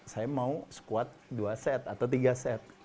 saya mau squad dua set atau tiga set